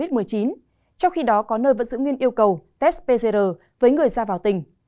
test nhanh covid một mươi chín trong khi đó có nơi vẫn giữ nguyên yêu cầu test pcr với người ra vào tỉnh